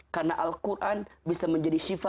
karena al quran itu adalah pesan cinta dari allah